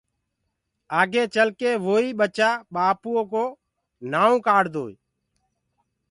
آگي چل ڪي ووئيٚ ٻچآ ٻآپوو ڪو نآئو ڪآڙدوئي